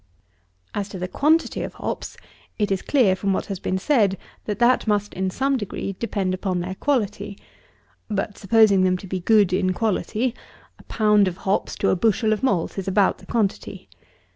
As to the quantity of hops, it is clear, from what has been said, that that must, in some degree depend upon their quality; but, supposing them to be good in quality, a pound of hops to a bushel of malt is about the quantity.